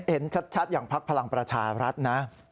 เห็นชัดอย่างพักพลังประชารัฐนะ